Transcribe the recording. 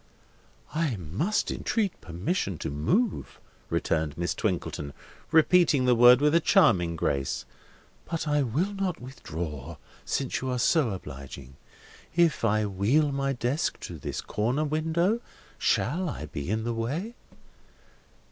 "I must entreat permission to move," returned Miss Twinkleton, repeating the word with a charming grace; "but I will not withdraw, since you are so obliging. If I wheel my desk to this corner window, shall I be in the way?"